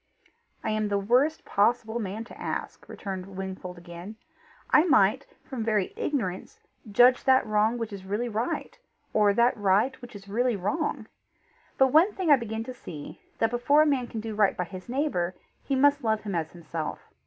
"I am the worst possible man to ask," returned Wingfold again. "I might, from very ignorance, judge that wrong which is really right, or that right which is really wrong. But one thing I begin to see, that before a man can do right by his neighbour, he must love him as himself.